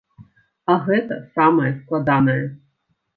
А гэта самае складанае.